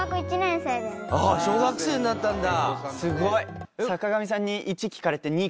あっ小学生になったんだ。